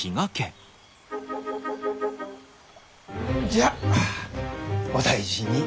じゃあお大事に。